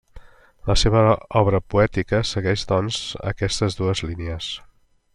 La seva obra poètica segueix, doncs, aquestes dues línies.